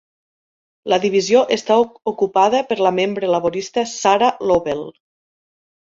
La divisió està ocupada per la membre laborista Sarah Lovell.